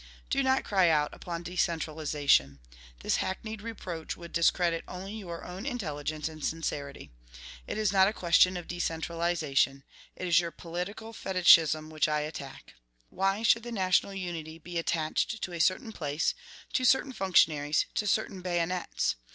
Do not cry out upon decentralization. This hackneyed reproach would discredit only your own intelligence and sincerity. It is not a question of decentralization; it is your political fetichism which I attack. Why should the national unity be attached to a certain place, to certain functionaries, to certain bayonets?